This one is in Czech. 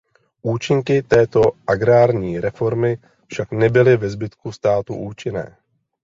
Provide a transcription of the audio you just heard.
Účinky této agrární reformy však nebyly ve zbytku státu účinné.